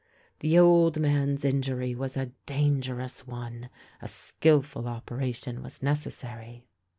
The old man's injury was a dangerous one : a skilful operation was necessary.